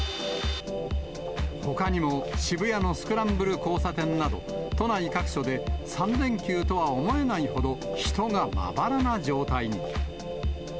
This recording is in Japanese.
ほかにも渋谷のスクランブル交差点など、都内各所で３連休とは思えないほど、人がまばらな状態に。